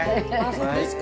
そうですか。